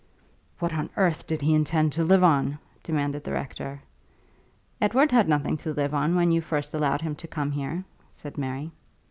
"What on earth did he intend to live on?" demanded the Rector. "Edward had nothing to live on, when you first allowed him to come here," said Mary.